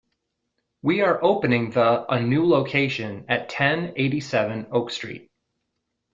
We are opening the a new location at ten eighty-seven Oak Street.